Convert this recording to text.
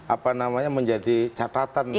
apa namanya menjadi catatan